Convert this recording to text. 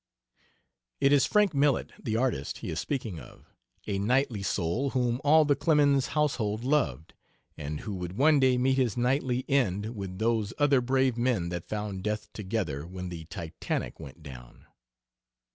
It is Frank Millet, the artist, he is speaking of a knightly soul whom all the Clemens household loved, and who would one day meet his knightly end with those other brave men that found death together when the Titanic went down.